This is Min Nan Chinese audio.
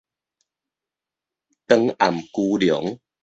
長頷龜龍